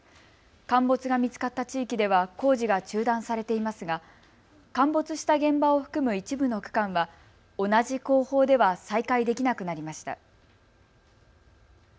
陥没が見つかった地域では工事が中断されていますが陥没した現場を含む一部の区間は同じ工法では再開できなくなりました。